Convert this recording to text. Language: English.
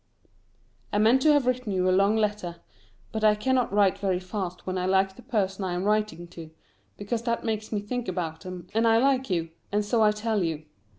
I meant to have written you a long letter, but I cannot write very fast when I like the person I am writing to, because that makes me think about them, and I like you, and so I tell you.